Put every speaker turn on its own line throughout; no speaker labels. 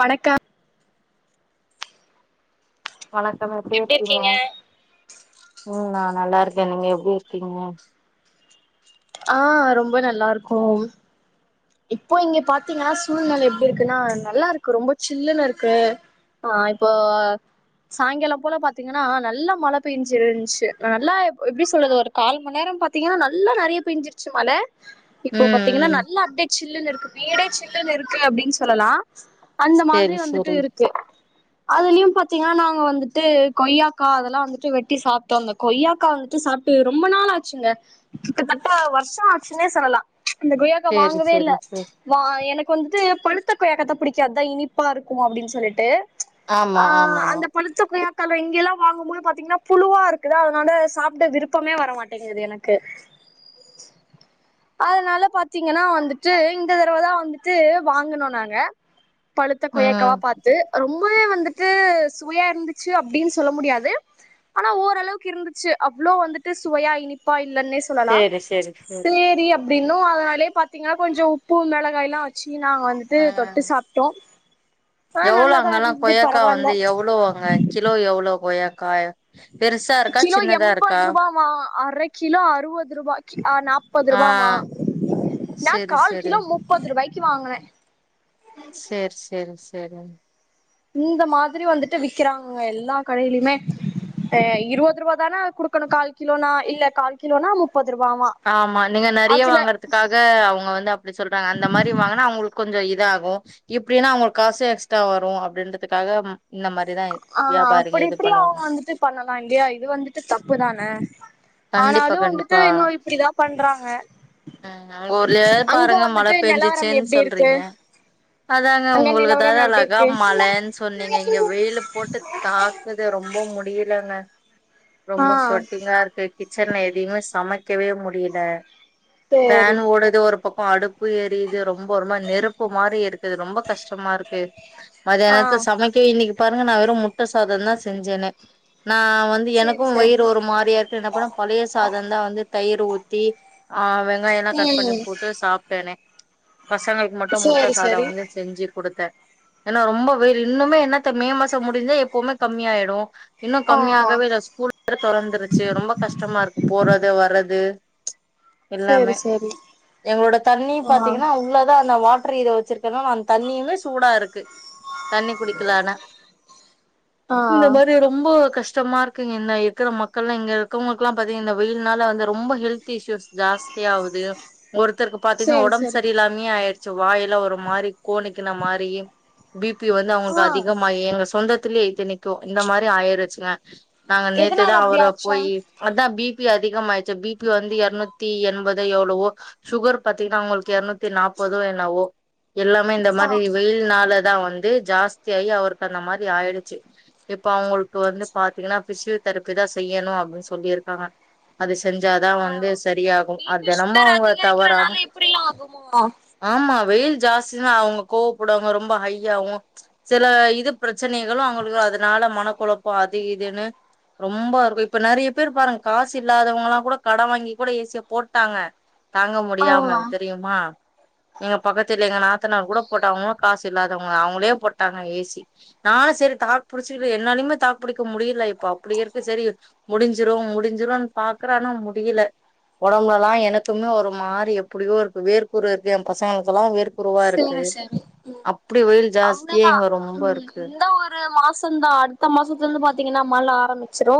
வணக்கம்
வணக்கம் எப்டி இருக்கீங்க உம் நா நல்லாருக்கே நீங்க எப்டி இருக்கீங்க
ஆஹ் ரொம்ப நல்லாருகோம் இப்போ இங்க பாத்தீங்கனா சூழ்நெலை எப்டி இருக்குனா நல்லாருக்கு ரொம்ப சில்லுன்னு இருக்கு ஆஹ் இப்போ சாயங்கால போல பாத்தீங்கனா நல்லா மழ பேஞ்சிருந்துச்சு நல்லா எ எப்புடி சொல்றது ஒரு கால் மணி நேரோ பாத்தீங்கனா நல்லா நறைய பேஞ்சிருச்சு மழ இப்போ பாத்தீங்கன
ம்
நல்லா அப்டே இதுற்க்கு மேலே சில்லுன்னுருக்கு அப்டின்னு சொல்லலா அந்த மாதிரி
சேரி
வந்துட்டு
சேரி
இருக்கு அதுலியு பாத் ச்சிங்கனா நாங்க வந்துட்டு கொய்யாக்கா அதெல்லா வந்துட்டு வெட்டி சாப்ட்டோ அந்த கொய்யாக்கா வந்துட்டு சாப்டு ரொம்ப நாள் ஆச்சுங்க கிட்டத்தட்ட வருஷாச்சுன்னே சொல்லலா அந்த கொய்யாக்கா
சேரி
வாங்க வேல்ல
சேரி சேரி
வா எனக்கு வந்து படு பழுத்த கொயக்கத்த புடிக்காத் அதா இனிப்பாருக்குமோ அப்டின்னு சொல்லிட்டு
ஆமா
ஆஹ்
ஆமா
அந்த பழுத்த கொய்யாக்கா [unintelligible] இங்கெல்லா வாங்கும்போது பாதீங்னா புலுவாருக்குதா அதனால சாப்டு விருப்பமே வரமாட்டேங்குது எனக்கு அதனால பாத்தீங்கனா வந்து ட்டு இந்த தடவதா வந்துட்டு வாங்கனோ நாங்க பழுத்த
ம்
கொயக்காவா பாத்து ரொம் பலே வந்துட்டு சுவையா இருந்துச்சு அப்டின்னு சொல்ல முடியாது ஆனா ஓரளவுக்கு இருந்துச்சு அவ்ளோ வந்துட்டு சுவையா இனிப்பா இல்லேன்னே சொல்லலா
சேரி சேரி
சேரி அப்டின்னு அதன் லே பாத்தீங்கா கொஞ்சோ உப்பு மெளகாய்லா வெச்சு கி நாங்க வந்துட்டு
ஆ
தொட்டு சாப்ட்டோ ஆ
எவ்ளோ
நல்லாதா
அங்கெல்லா
இருந்தது
கொய்யாக்கா
பரவால்ல
வந்து எவ்ளோ அங்க கிலோ எவ்ளோ கொய்யாக்கா க்கா
கிலோ எம்பது ரூபாவா அரை கிலோ அறுபது ரூபா நாப்பது
ஆ
ரூபாவா நா
சேரி
கால்
சேரி
கிலோ முப்பது ரூபாய்க்கு வாங்குனே
சர் சர் சரி
இந்த மாதிரி வந்துட்டு விக்கிறாங்க எல்லா கடையிலயுமே அ இருவது ரூவா தானே குடுக்கணு கால் கிலோனா இல்ல கால் கிலோனா மு
ஆமா நீங்க நறையா வாங்கறதுக்காக அவுங்க வந்து அப்படி சொல்றாங்க அந்த மாதிரி வாங்குனா அவங்களுக்கு கொஞ்ச இதாகு இப்டின்னா அவங்களுக்கு காசு எக்ஸ்ட்ரா வரு அப்படின்றதுக்காக
ஆ அப்புடி இப்புடி அவுங்க வந்துட்டு பண்ணலா இல்லயா இது வந்துட்டு தப்புதான
கண்டிப்பா
ஆனாலு வந்துட்டு இன்னு இப்பிடிதா பண்றாங்க
அ உங்க ஊர்லயாது
அங்க
பாருங்க மழை
வந்துட்டு நிலவரம்
பேஞ்சிச்சுன்னு
எப்டி இருக்கு
சொல்றீங்க அதாங்க
அங்க நிலவரம்
உங்களுக்குதாவது
எப்டி
அழகா
இருக்கு
மழைன்னு சொன்னீங்க இங்க வெயிலு போட்டு தாக்குது ரொம்ப முடியலங்க
ஆ
ரொம்ப ஸ்வட்டிங்கா இருக்கு கிச்சன்ல எதையுமே சமைக் க்கவே முடியல
சேரி
ஃபேன் ஓடுது ஒரு பக்கோ அடுப்பு எறியுது ரொம் ம்ப ஒரு மாரி நெருப்பு மாரி இருக்குது ரொம்ப கஷ்டமா இருக்கு
ஆ
மதியானத்த சமைக்கவே இன்னைக்கி பாருங்க நா வெறும் முட்ட சாதம் தா செஞ்சேனே நா வந்து
சேரி
எனக்கும்
சரி
வயிறு ஒரு மாரியா இருக்கு என்ன பண்ண பழைய சாதம் தா வந்து தயிர் ஊத் தி ஆ வெங்காயல்லா கட் பண்ணி
ம்
போட்டு சாப்ட்டேனே பசங்களுக்கு மட்டும் முட்ட
சேரி
சாதம்
சரி
வந்து செஞ்சு கொடுத்தே ஏன்னா ரொம்ப வெயில் இன்னுமே என்னத்த மே மாசம் முடிஞ்சா எப்பவுமே கம்மியாயிடு இன்னு
ஆ
கம்மியாகவே இல்ல ஸ்கூல் வேற திறந்துருச்சு ரொம்ப கஷ்டமா இருக் போறது வர்றது
சேரி
எல்லாமே
சரி
எங்களோட தண்ணி
ஆ
பாத்தீங்கன்னா உள்ளதா அந்த வா ரி இத வச்சிருக்கனால அந்த தண்ணியுமே சூடா இருக்கு தண்ணி குடிக்கலலானா
ஆ
இந்த மாரி ரொம்ப கஷ் டமா இருக்குங்க இந்த இருக்கிற மக்கள்லா இங்க இருக்கவங்களுக்குல்லா பாத்தீங்க இந்த வெயில்னால வந்து ரொம்ப ஹெல்த் இஷ்யூஸ் ஜாஸ்தி ஆவுது ஒருத்தருக்கு பாத்தீங்கன்னா
சேரி
ஒடம்பு
சரி
சரியில்லாமயே ஆயிரு சு வாயலா ஒரு மாரி கோணிக்கின மாரி பிபி வந்து
ஆ
அவங்களுக் அதிகமாயி எங்க சொந்த த்லேயே இத்தனைக்கு இந்த மாரி ஆயிருச்சுங்க நாங்க நேத்துதா
எதனால அப்படி
அவர
ஆச்சா
போயி அதா பி பி அதிகமாயிருச்சு பிபி வந்து எரநூத் த்தி எண்பதே எவ்ளவோ சுகர் பாத்தீங்கனா அவங்களுக்கு எரநூத்தி நாப்பதோ என்னவோ எல்லாமே இந்த
ஆ
மாரி வெயில் நால தா வந்து ஜாஸ்தியாயி அவருக்கு அந்த மாரி ஆயிடுச்சி இப் ப்ப அவங்களுக்கு வந்து பாத்தீங்கனா பிசியோதெரபி தா செய்யணு அப்டினு சொல்லிருக்காங்க அது செ செஞ்சாதா
ஆ
வந்து சரியாகு
பி
அது
பி
தினமு
சுகர்
தவறாம
அதிகரிக்கிறனால இப்படிலா ஆகுமா
ஆமா வெயில் ஜாஸ்தி னா அவங்க கோவப்படுவங்க ரொம்ப ஹை யாவு சில இது பிரச்சனைகளு அவங்களுக் அதனால மனக்குழப்ப அது இதுன்னு ரொம்ப இப்ப நெறைய பேர் பாருங்க காசு இல்லாதவங்களா கூட கட வாங்கி கூட ஏசி ய போட்டாங்க தாங்க
ஆ
முடியாம தெரியுமா எங்க பக்கத்துல எங்க நாத்தனார் கூட போட்டாங்க அவங்ளு காசு சு இல்லாதவங்க அவங்களே போட்டாங்க ஏசி நானு சேரி தாக்கு புடிச்சி என்னாலயுமே தாக்கு புடிக்க முடியல இப்ப அப்டி இருக்கு சேரி முடிஞ்சிரு முடிஞ்சிரும்ன்னு பாக்குற ஆனா முடியல ஒடம்புல லா எனக்குமே ஒரு மாரி எப்டியோ இருக்கு வேர்குரு இருக்கு எ பசங்களுக்கெல்லா வேர்
சேரி சேரி
வெயில் ஜாஸ்தியே
அவ்ளதா
இங்க ரொம்ப
ம்
இருக்கு
இந்த ஒரு மாசந்தா அடுத்த மாசத்துல இருந்து பாத்தீங்கன்னா மழ ஆரம்பிச்சிரு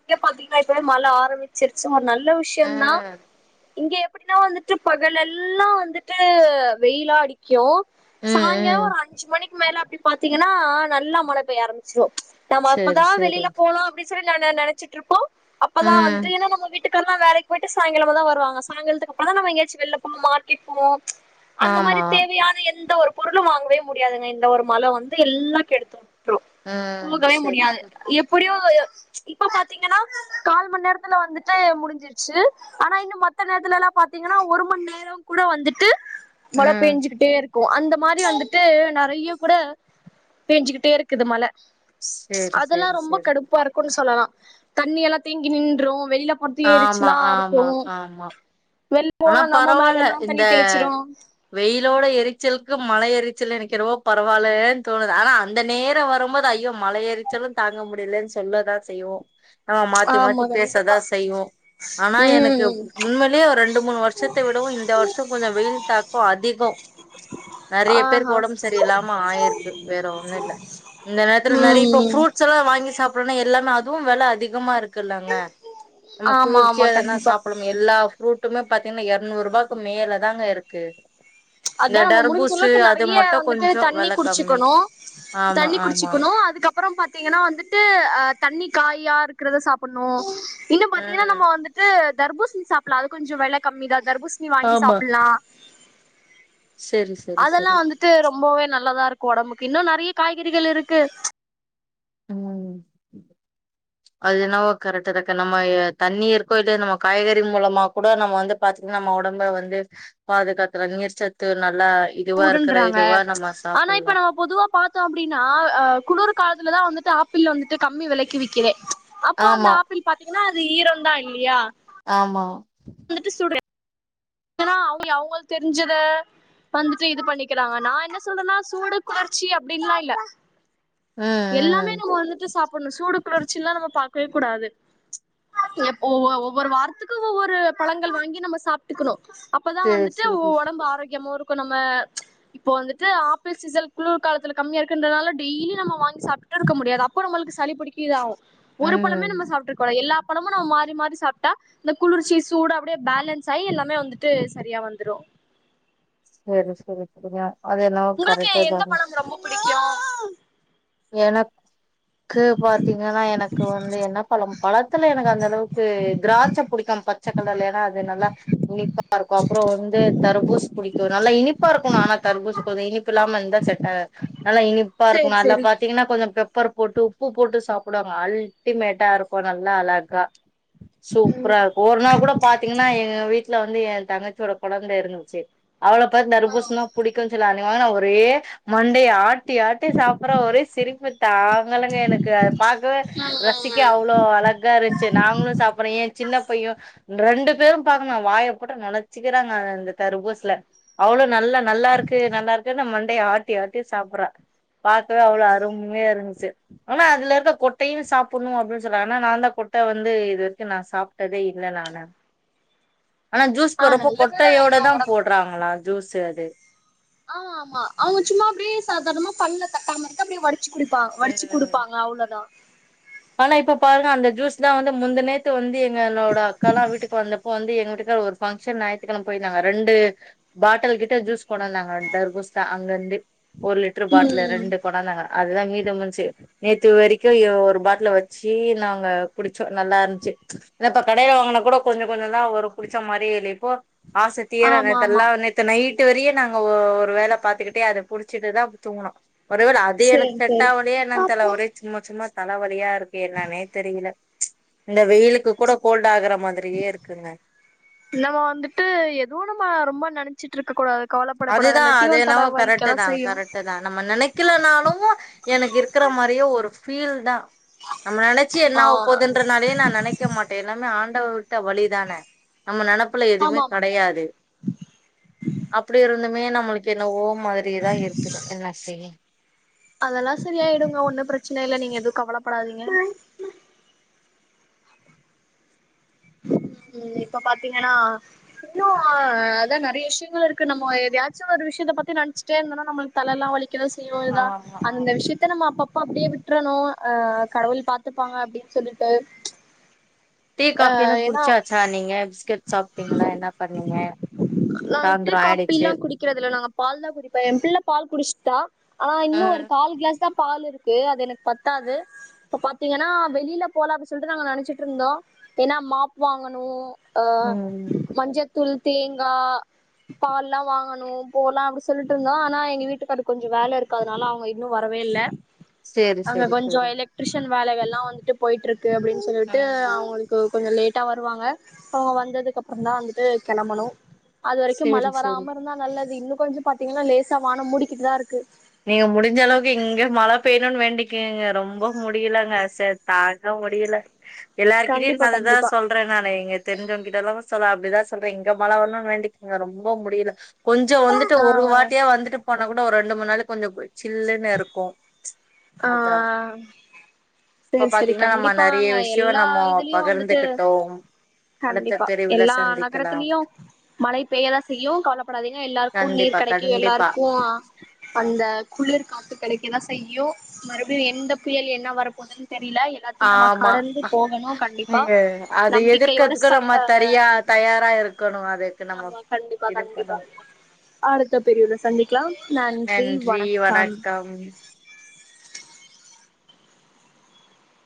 இங்க பாத்தீங்கன்னா இப்ப மழை ஆரம்பிச்சிருச்சு ஒரு நல்ல விஷயந்தா
ம்
இங்க எ அப்படின்னா வந்துட்டு பகலெல்லா வந்துட்டு வெயிலா அடிக்கு
ம்
சாங்கால
ம்
ஒரு அஞ்சு மணிக்கு மேல அப்டி பாத்தீங்கன்னா நல்லா மழை பெய்ய ஆரம்பிச்சுரு நம்ம
சரி
அப்பதா
சரி
வெளில போலா அப்டின் ந ந நனச்சிட்டு இருப்போ அப்பதா
ம்
வந்துட்டு ஏன்னா நம்ம வீட்டுக் அக்கல்லா வேலைக் போய்ட்டு சாயங்காலமா தா வருவாங்க சாயங்காலத்துக்கு அப்புறந்தா நாம எங்கயாச்சு வெளில போவோ மார்க்கெட் போவோ அந்த மாரி
ஆமா
தேவையான எந்த ஒரு பொருளு வாங்கவே முடியாதுங்க இந்த ஒரு மழ வந்து எல்லா கெடுத்துரு
ம்
போகவே
செரி
முடியாது
செரி
எப்படியு இப்ப பாத்தீங்கன்னா கால் மண் நேரத்துல வந்துட்டு முடிஞ்சிருச்சு ஆனா இன்னு மத்த நேரத்துலலா பாத்தீங்கன்னா ஒரு மண் நேர கூட வந்துட்டு மழ
ம்
பேஞ்சுகிட்டே இருக் கு அந்த மாரி வந்துட்டு நறைய கூட பேஞ்சுக்கிட்டே இருக்குது மழ
செரி
அதெல்லா
செரி
ரொம்ப
செரி
கடுப்பா இருக்குன் சொல் சொல்லலா தண்ணியெல்லா தேங்கி நின்று வெளிலப் அப்டி
ஆமா
எரிச்சலா இருக்கு
ஆமா ஆமா
வெள்
ஆனா
போனா நம்ம
பரவால்ல
மேலெல்லா
இந்த
தண்ணி தெளிச்சிரு
வெயிலோட எரிச்சல்க்கு மழ எரிச்சல் எனக்கென்னவோ பரவால்லன் தோணுது ஆனா அந்த நேர வரும்போது ஐயோ மழை எரிச்சலு தாங்க முடியலன் சொல்லதா செய்வோ ஆ மாத்தி மாத்தி
ஆமா
பேசதா
கண்டிப்பா
செய்வோ ஆனா எனக்கு
ம்
உண்மைலே ஒரு ரெண் ரெண்டு மூணு வருஷத்தை விடவும் இந்த வருஷம் கொஞ்சம் வெயில் தாக்கம் அதிகம் நெறய பேருக்கு
ஆஹா
உடம்பு சரிய இல்லாம ஆயிருக்கு வேற ஒன்னும் இல்ல இந்த நேரத்துக்கு நெறய இப்ப
ம்
ப்புருட்ஸ் எல்லாம் வாங்கி சாப்பினும் எல்லாமே அதுவு வெல அதிகமா இருக் கில்லங்க நம்ம
ஆமா ஆமா
குளிர்சியா எதனா
கண்டிப்பா
சாப்புலு எல்லா ஃப்ரூட் டுமா பாத்தீங்னா ஏறநூறு ரூபாக்கு மேல தாங்க இருக்கு இந்த
அதா நம்ம முடிஞ்
டர்பூசு
அளவுக்கு
அது
நெறைய
மட்டு
வந்துட்டு
கொஞ்சோ
தண்ணி
வெல கம்மி
குடிச்சுக்கனு
ஆமா
தண்ணி
ஆமா
குடிச்சுக்கனு அதுக்கப் அப்றோ பாத்தீங்கனா வந்துட்டு அ தண்ணி காயா இருக்கறத சாப்புனு இங்க பாத்தீங்கனா
ம்
நம்ம வந்துட்டு தர்பூசணி சாப்பலா அது கொஞ்சோ வெல கம்மி தா தர்பூசணி வாங்கி
ஆமா
சாப்பில்லா
செரி செரி
அதெல்லா
செரி
வந்துட்டு ரொம்பவே நல்லதா இருக் கொடபுக்கு இன்னு நெறைய காய்கறிகள் இருக்கு
ம் அது என்னாவோ கரெக்ட் இருக்கு நம்ம எ தண்ணி இருக்கோ இல்லயோ நம்ம காய்கறி மூலமா கூட நம்ம வந்து பாத்தீங்னா நம்ம ஒடம்ப வந்து பாதுகாத்தல நீர் சத்து ந
வுடுன்றாங்க ஆனா இப்ப
சாப்பிடலா
நம்ம பொதுவா பாத்தோ அப்டினா அ குளுரு காலத்துலதா வந்து து ஆப்பிள் வந்துட்டு கம்மி வெலைக்கு விக்கிதே அப்போ அந்த
ஆமா
ஆப்பிள் பாத்தீங்கனா சுத்தி ஈரோ தா இல்லியா
ஆமா
வந்துட்டு சுடு ஏனா அவுங்க அவுங்கள் தெரிஞ்சத வந்துட்டு இது பண்ணிக்கிறாங்க நா என்ன சொல்றேனா சூடு குளிர்ச்சி அப்டின்லா இல்ல
ம்
எல்லாமே
ம்
நாம வந்துட்டு சாப்புட்னு சூடு குளர்ச்சில்லா நம்ம பாக் வே கூடாது எப் ஒவ்வொ ஒவ்வொரு வாரத்துக்கு ஒவ்வொரு பழங்கள் வாங்கி நாம சாப் டுக்குனு அப்பதா
செரி
வந்துட்டு உ
செரி
ஒடம்பு ஆரோக்கியமு இருக் கு நாம இப்போ வந்துட்டு ஆப்பிள் சீசன் குளிர் காலத்தில கம்மியா இருக்குன்றனால டெய்லி நாம வாங்கி சாப்பிட்டுட்டு இருக்க முடியாது அப்போ நம்மளுக்கு சளி புடிக்க இதாவு ஒரு பழமே
ம்
நாம சாப்ட்டு இருக்கோலா எல்லா பழமு நாம மாறி மாறி சாப்ட்டா இந்த குளிர்ச்சி சூடு அப்டியே பேலன்ஸ் சை எல்லாமே வந்துட்டு சரியா வந்துரு
செரி செரி செரிங்க
உங்களுக்கு எந்த பழம் ரொம்ப புடிக்கு
எனக் கு பாத்தீங்கனா எனக்கு வந்து என்ன பழம் பழத்துல எனக்கு அந்த அளவுக்கு திராட்ச புடிக்கு பச்ச கலர்ல ஏனா அது நல்லா இனிப்பா இருக்கு அப்றோ வந்து தர்பூஸ் புடிக்கு நல்ல இனிப் உப்பா இருக்கனு ஆனா தர்பூசு கொஞ்ச இனிப்பு இல்லாம இருந்தா செட்டா நல்லா இனிப்பா இருக்கு
சேரி
நல்லா
சேரி
பாத்தீங்கனா கொஞ்ச பெப் பர் போட்டு உப்பு போட்டு சாப்டுவாங்க அல்டிமேட்டா இருக்கு நல்லா அழகா சூப்பரா இருக்கு ஒரு நாள் கூட பாத்தீங்னா எங்க வீட்ல வந் வந்து எ தங்கச்சியோட கொழந்த [unintelligible] அவள பாத் தர்பூச்னா புடிக்கும்னு சொல் அ ம்பே நாளா ஒரே மண்டைய ஆட் ட்டியாட்டி சாப் அப்பறொ ஒரே சிரிப்புத்தாங்கலேங்க எனக்கு அத பாக்கவே
ம் ம்
ரசிக்க
ம்
அவ்ளோ அழகா இருந்சு நாங்களு சாப்பிடுற என் சின்ன பையொ ரெண்டு பேரு பாக்கணு வாய போட்டு நணச்சுக்கிறாங்க இந்த தர்ப்பூசுல அவ்ளோ நல்ல நல்லாருக்கு நல்லாருக்குன்னு மண்டய ஆட்டி ஆட்டி சாப்புறா பாக்கவே அவ்ளோ அரும்மையா இருந்துச்சு ஆனா அதுல இருக்க கொட்டையு சாப்புன்ணு அப்படின் சொன்னாங்க ஆனா நாந்தா கொட்ட வந்து இது வரைக்கு நா சாப்டதே இல்ல நானு ஆனா ஜூஸ்
ஆ
போட்றப்போ
நல்லதுதா இது
கொட்டையோடதா
ஒடம்புக்கு
போடுறாங்களா ஜூஸு சேர்
ஆமா ஆமா அவங்க சும்மா அப்டியே சாதாரணமா பல்ல தட்டாம [unintelligible] ச்சு குடுப்பா வடிச்சு
ம்
குடுப்பாங்க அவ்ளோதா
ஆனா இப்ப பாருங்க அந்த ஜூஸ் இதா வந்து முந்த நேத்து வந்து எங்களோட அக்காலா வீட்டுக்கு வந்தப்போ வந்து நேத்துக்கா ஒரு பங்க்ஷன் நாயித்துக்கெழம போய்ருந்தாங்க ரெண்டு பாட்டல் கிட்ட ஜூஸ் கொண்டந்தாங்க தர்பூஸ்தா அங்க இருந்து ஒரு லிட்ரு பாட்லு
ம்
ரெண்டு கொண்டாந்தாங்க அதுதா மீத முடிஞ்ச்சு நேத்து வரைக்கு எ ஒரு பாட் டுல வச்சி நாங்க குடிச்சோ நல்லா இருந்துச்சு இந்தா இப்ப கடைல வாங்குனா கூட கொஞ்சொ கொஞ்சந்தா வரு குடிச்ச மாரியே இல்ல இப்போ ஆசத்தீர
ஆமா ஆமா
நேத்தெல்லா நேத்து நைட்டு வரையு நாங்க ஒ ஒரு வேல பாத்துக்கிட்டே அத குடிச்சிட்டுதா அப் தூங்குணொ ஒருவேள அது எனக்கு
சேரி சேரி
செட்டாவலையா என்னான் தெர்ல
பாப்போ
ஒரே சும்மா சும்மா தலவல் லியா இருக்கே என்னானே தெரியல ப்ச் இந்த வெயிலுக்கு கூட கோல்டு ஆகுற மாதிரியே இருக்குங்க
நம்ம சிட்ருக்ககூடாது
அதுதா அது என்னவோ கரெக்டுதா
செய்யு
கரெக்டுதா நம்ம நெனைக்கலேனாலு எனக்கிருக்கிற மாரியே ஒரு ஃபீல்டா நம்ம நெனச்சு என்ன
ஆ
ஆகப்போதுன்றனாலயே நா நெனைக்க மாட்டே என்னனா டவுள் விட்ட வழி தானே நம்ம நெனப் புல எதுமே
ஆமா ஆமா
கெடையாது அப் இருந்துமே நம்மளுக் என்னவோ மாதிரியேதா இருக்குத என்ன செய்யி
அதெல்லா செரியாயிடுங்க ஒன்னு பிரச்சன இல்ல நீங்க எது கவலப்படாதீங்க உம் இப்ப பாத்தீங்கனா இன்னு அதா நெறைய விஷ்யங்கள் இருக்கு நம்ம எதயாச்சு ஒரு விஷ்யத்த பத்தி நேன்ச்சுட்டே இருந்தனா நம்மளுக்கு தலெல்லா வலிக் கதா செய்யு எதா
ஆமா ஆமா
அந்த விஷ்யத்த நம்ம அப்பப் அப்ப அப்டியே விட்றணு அஹ் கடவுள் பாத்துப்பாங்க அப்டின் சொல்லிட்டு
டீ
அ
காஃபிலா
ஏன்னா
குடிச்சாச்சா நீங்க பிஸ்கட் சாப்டீங்களா என்ன பண்ணீங்க
நாங்க டீ
சாய்ந்திர ஆயிடுச்சு
காப்பில்லா குடிக்கிறதுல நாங்க பால் தா குடிப்போ என் பிள்ள பால் குடிச்ட்டா ஆனா இன்னு ஒரு கால் க்ளாஸ் தா பால் இருக்கு அது எனக் பத்தாது இப்ப பாத்தீங்கனா வெளில போலா அப்டின் சொல்ட்டு நாங்க நெனச்சிட்ருந்தோ ஏனா மாப் வாங்கணு அ
ம்
மஞ்சதூள் தேங்கா பால்லா வாங்கணு போலா அப்டி சொல்லிட்ருந்தே ஆனா எங்க வீட்டுக்காருக்கு கொஞ்ச வேல இருக்கா அதனால அவங்க இன்னு வரவே இல்ல
சேரி
அங்க
சேரி
கொஞ்சோ
சேரி
எலக்ட்ரிஷன் வேலைகள்லா வந்துட்டு போயிட்ருக் கு அப்டின்
ஆ
சொல்ட்டு அவங் கொஞ்ச லேட்டா வருவாங்க அவங்க வந்ததுக்கப்பறம் தா வந்துட்டு கெளம்பனும் அது வரைக்கும் மழ
சேரி சேரி
வராமருந்தா நல்லது இன்னு கொஞ்ச பாத்தீங்கனா லேசா வானம் மூடிக்கிட்டுதா இருக்கு
நீங்க முடிஞ்ச அளவுக்கு இங்க மழ பெய்யணுனு வேண்டிக்கங்க ரொம்ப முடியலங்க ச தாங்க முடில எல்லார்கிட்டயு
கண்டிப்பா
நா அத தா
கண்டிப்பா
சொல்றே நானு எங்க தெரிஞ்சவங்க கிட்டலா சொல்ல அப்படிதா சொல்றே இங்க மழ வரணுனு வேண்டிக்கங்க ரொம்ப முடில கொஞ்சோ வந்துட்டு
ஆ
ஒரு வாட்டியா வந்துட்டு போன கூட இன்னு ஒரு ரெண்டு மூணு நாளு கொஞ்ச சில்லுன்னு இருக்கு
ஆ
அதா இப்ப
சரி சரி
பாத்தீங்கன்னா நம்ம நெறைய
கண்டிப்பாங்க
விஷயோ
எல்லா
நம்மோ
இதுலயு வந்துட்டு
பகிர்ந்துகிட்டோ அடுத்த
கண்டிப்பா
பிரிவுல
எல்லா
சந்திக்கலாம்
நகரத்திலயு மழை பெய்யதா செய்யு கவலைப்படாதீங்க எல்லாருக்கு நீர்
கண்டிப்பா
கெடைக்கு
கண்டிப்பா
எல்லாருக்கு அந்த குளிர் காற்று கெடக்கதா செய்யும் மறுபடியு எந்த புயல் என்ன வரப்போதுன் தெரியல எல்லாத்தையு நம்ம
ஆமா
கடந்து போகணு கண்டிப்பா
ஐய அத
நம்பிக்கையோட
எதிர்க்கறதுக்கு
ச
நம்ம
அஹ்
தரியா தயாரா இருக்கணு அதுக்கு நம்ம
ஆமா கண்டிப்பா
இது
கண்டிப்பா
பண்ணணு
அடுத்த பிரிவுல சந்திக்லாம் நன்றி வணக்கம்